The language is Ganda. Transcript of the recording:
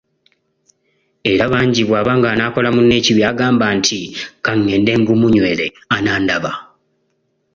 Era bangi bwaba ng'anaakola munne ekibi agamba nti, “Ka ngende ngumunywere, anandaba".